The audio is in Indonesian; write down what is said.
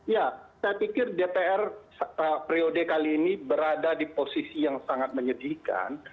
ya saya pikir dpr priode kali ini berada di posisi yang sangat menyedihkan